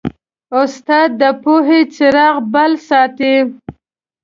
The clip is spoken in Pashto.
استاد د پوهې څراغ بل ساتي.